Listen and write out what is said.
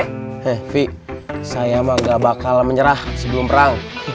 hei fi saya mah gak bakal menyerah sebelum perang